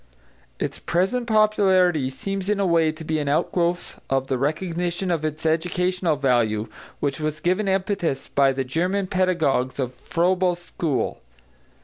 Its present popularity seems in a way to be an outgrowth of the recognition of its educational value which was given impetus by the German pedagogues of Froebel's school.